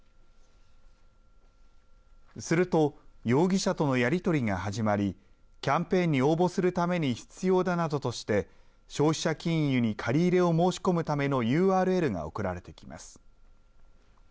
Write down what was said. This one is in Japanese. すると容疑者とのやり取りが始まりキャンペーンに応募するために必要だなどとして消費者金融に借り入れを申し込むためのＵＲＬが送られてきます。